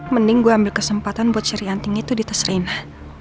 mending gue ambil kesempatan buat cari anting itu di tas reina